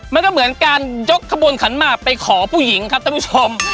มันก็เหมือนการยกขบวนขันหมากไปขอผู้หญิงครับท่านผู้ชม